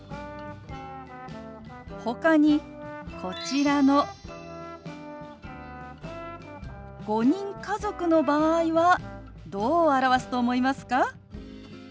ほかにこちらの５人家族の場合はどう表すと思いますか？